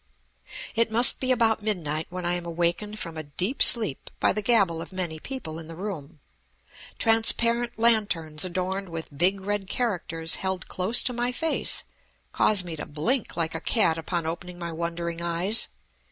It must be about midnight when I am awakened from a deep sleep by the gabble of many people in the room. Transparent lanterns adorned with big red characters held close to my face cause me to blink like a cat upon opening my wondering eyes.